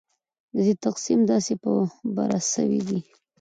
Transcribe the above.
چې ددې تقسیم داسي په بره سویدي